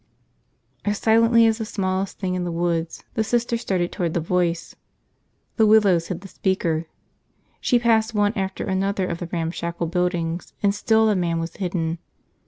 As silently as the smallest thing in the woods, the Sister started toward the voice. The willows hid the speaker. She passed one after another of the ramshackle buildings and still the man was hidden.